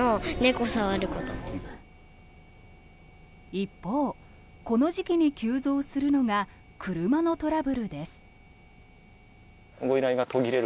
一方、この時期に急増するのが車のトラブルです。